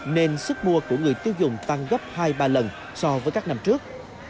nên sức mua của người tiêu dùng tăng gấp hai ba lần so với các năm trước